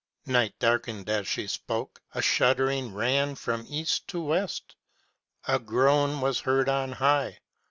Night darkened as she spoke, a shuddering ran from East to West. A groan was heard on high.